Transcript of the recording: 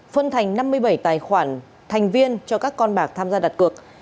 phân thành năm mươi bảy tài khoản thành viên cho các con bạc tham gia đặt cược